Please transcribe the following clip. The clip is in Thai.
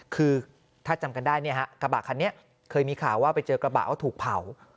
คือถ้าจำกันได้เนี่ยฮะกระบะคันนี้เคยมีข่าวว่าไปเจอกระบะว่าถูกเผา